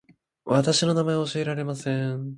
私の名前は教えられません